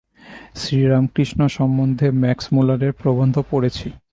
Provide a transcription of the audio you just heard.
শ্রীরামকৃষ্ণ সম্বন্ধে ম্যাক্সমূলারের প্রবন্ধ পড়েছি।